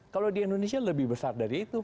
kalau di indonesia lebih besar dari itu